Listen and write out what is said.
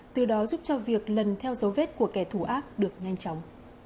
từ đó giúp cho việc lần theo dấu vết của kẻ thù ác được nhanh chóng